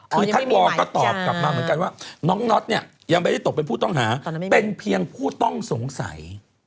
คือท่านวอก็ตอบกลับมาเหมือนกันว่าน้องน็อตเนี่ยยังไม่ได้ตกเป็นผู้ต้องหาเป็นเพียงผู้ต้องสงสัย